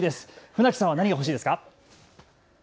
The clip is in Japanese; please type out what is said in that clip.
船木さんは何が欲しいですか。